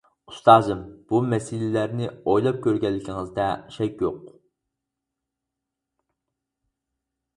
ئۇستازىم، بۇ مەسىلىلەرنى ئويلاپ كۆرگەنلىكىڭىزدە شەك يوق.